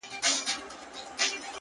وه كلي ته زموږ راځي مـلـنگه ككـرۍ!